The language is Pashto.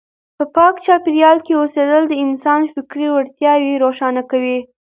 په پاک چاپیریال کې اوسېدل د انسان فکري وړتیاوې روښانه کوي.